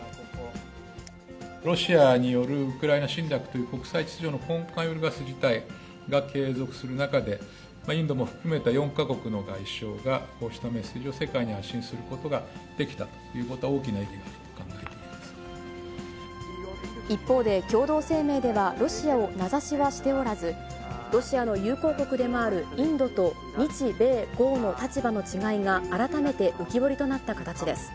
ロシアによるウクライナ侵略という国際秩序の根幹を揺るがす事態が継続する中で、インドも含めた４か国の外相が、こうしたメッセージを世界に発信することができたということは、一方で、共同声明ではロシアを名指しはしておらず、ロシアの友好国でもあるインドと、日米豪の立場の違いが改めて浮き彫りとなった形です。